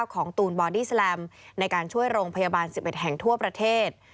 ตูนบอดี้แลมในการช่วยโรงพยาบาล๑๑แห่งทั่วประเทศ